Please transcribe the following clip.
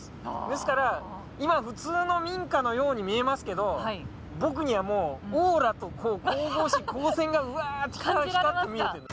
ですから今普通の民家のように見えますけど僕にはもうオーラと神々しい光線がうわって光って見えてる。